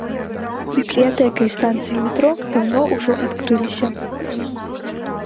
Бібліятэка і станцыі метро даўно ўжо адкрыліся.